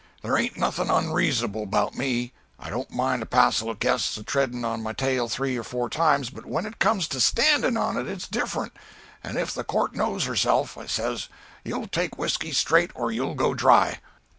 There ain't nothing onreasonable 'bout me; I don't mind a passel of guests a treadin' on my tail three or four times, but when it comes to standing on it it's different, 'and if the court knows herself,' I says, 'you'll take whiskey straight or you'll go dry.'